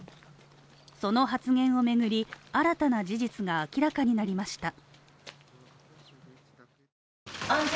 その発言を巡り、新たな事実が明らかになりました。